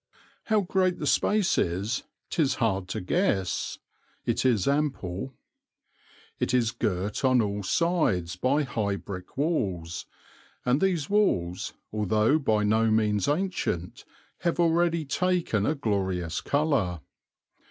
How great the space is 'tis hard to guess; it is ample. It is girt on all sides by high brick walls, and these walls, although by no means ancient, have already taken a glorious colour.